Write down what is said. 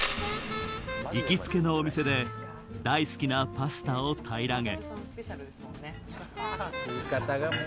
行きつけのお店で大好きなパスタを平らげ食い方がもう。